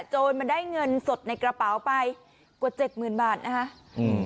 โจรมันได้เงินสดในกระเป๋าไปกว่าเจ็ดหมื่นบาทนะคะอืม